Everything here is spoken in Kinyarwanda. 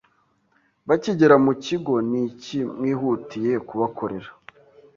Bakigera mu kigo n’iki mwihutiye kubakorera ?